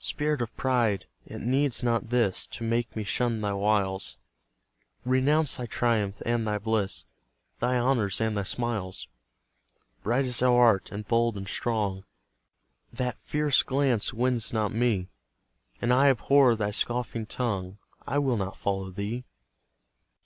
Spirit of Pride, it needs not this To make me shun thy wiles, Renounce thy triumph and thy bliss, Thy honours and thy smiles! Bright as thou art, and bold, and strong, That fierce glance wins not me, And I abhor thy scoffing tongue I will not follow thee!